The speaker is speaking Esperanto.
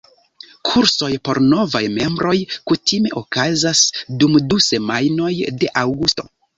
Kursoj por novaj membroj kutime okazas dum du semajnoj de aŭgusto.